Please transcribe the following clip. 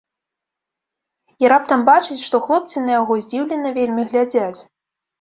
І раптам бачыць, што хлопцы на яго здзіўлена вельмі глядзяць.